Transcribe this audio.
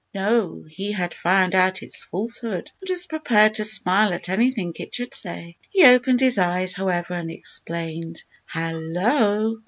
No; he had found out its falsehood, and was prepared to smile at anything it should say. He opened his eyes, however, and exclaimed "Hallo!"